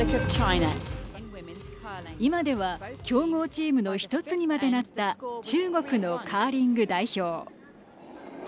今では、強豪チームの１つにまでなった中国のカーリング代表。